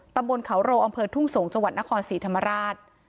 ตำบลเขาโรอทุ่งสงจนครศรีธรรมราช